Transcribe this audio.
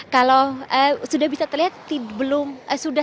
kalau sudah bisa terlihat sudah tidak ada kemerian